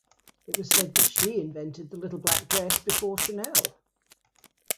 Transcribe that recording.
It was said that she invented the "little black dress" before Chanel.